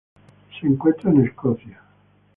Se encuentra en Escocia.